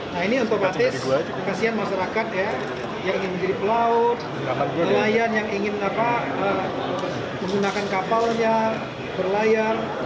nah ini otomatis kasihan masyarakat ya yang ingin menjadi pelaut nelayan yang ingin menggunakan kapalnya berlayar